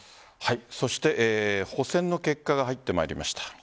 そして補選の結果が入ってまいりました。